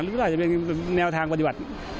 หรือไม่ว่าจะเป็นแนวทางปฏิบัติ